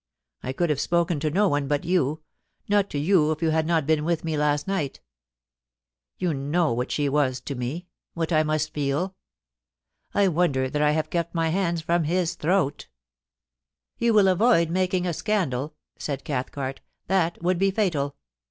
I could have spoken to no one but you^not to you if you had not been with me last night You know what she was to me — ^what I must feel. I wonder that I have kept my hands from his throat' 'You will avoid making a scandal,' said Cathcart ;' that would be fatal.